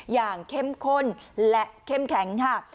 เข้มข้นและเข้มแข็งค่ะ